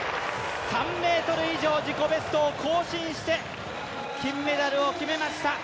３ｍ以上自己ベストを更新して金メダルを決めました。